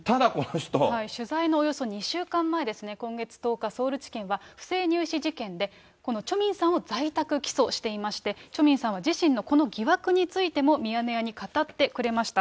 取材のおよそ２週間前ですね、今月１０日、ソウル地検は不正入試事件でこのチョ・ミンさんを在宅起訴していまして、チョ・ミンさんは自身のこの疑惑についてもミヤネ屋に語ってくれました。